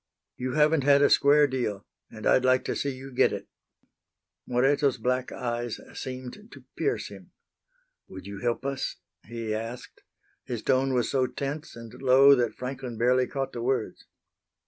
"You haven't had a square deal, and I'd like to see you get it." Moreto's black eyes seemed to pierce him. "Would you help us?" he asked. His tone was so tense and low that Franklin barely caught the words.